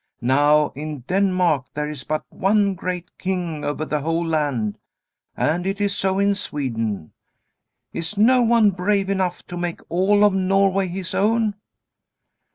Now in Denmark there is but one great king over the whole land. And it is so in Sweden. Is no one brave enough to make all of Norway his own?"